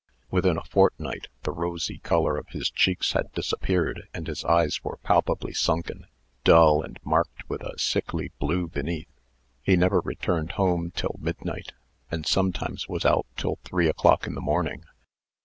Within a fortnight, the rosy color of his cheeks had disappeared, and his eyes were palpably sunken, dull, and marked with a sickly blue beneath. He never returned home till midnight, and sometimes was out till three o'clock in the morning.